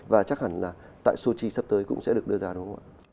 và chắc hẳn là tại sochi sắp tới cũng sẽ được đưa ra đúng không ạ